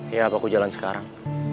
iya aku jalan sekarang